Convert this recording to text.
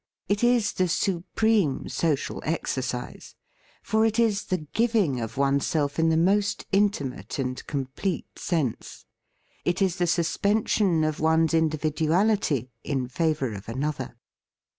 It is the supreme social exercise, for it is the giving of oneself in the most inti mate and complete sense. It is the sus pension of one's individuality in favour of another.